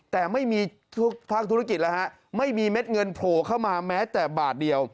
แต่ไม่มีทุกภาคธุรกิจแล้วฮะไม่มีเม็ดเงินโผล่เข้ามาแม้แต่บาทเดียว